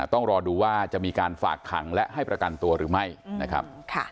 ต้องรอดูว่าจะมีการฝากขังและให้ประกันตัวหรือไม่นะครับ